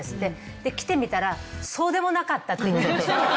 で来てみたらそうでもなかったって言ってました。